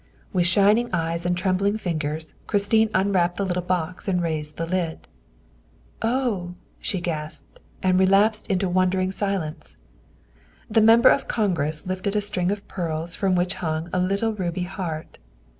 With shining eyes and trembling fingers Christine unwrapped the little box and raised the lid. " Oh!" she gasped, and relapsed into wondering silence. The Member of Congress lifted a string of pearls from which hung a little ruby heart.